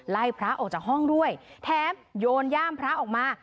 พระออกจากห้องด้วยแถมโยนย่ามพระออกมา